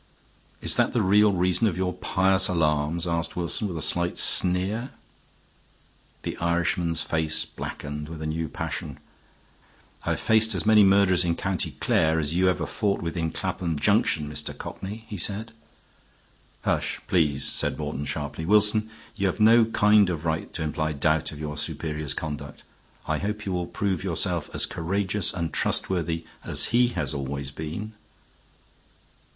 "Is that the real reason of your pious alarms?" asked Wilson, with a slight sneer. The Irishman's pale face blackened with a new passion. "I have faced as many murderers in County Clare as you ever fought with in Clapham Junction, Mr. Cockney," he said. "Hush, please," said Morton, sharply. "Wilson, you have no kind of right to imply doubt of your superior's conduct. I hope you will prove yourself as courageous and trustworthy as he has always been."